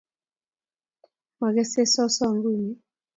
Mo kei soso nguno?